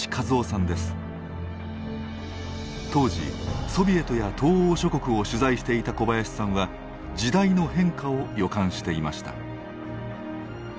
当時ソビエトや東欧諸国を取材していた小林さんは時代の変化を予感していました。